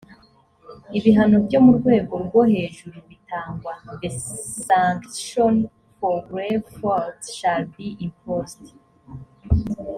ibihano byo mu rwego rwo hejuru bitangwa the sanctions for grave faults shall be imposed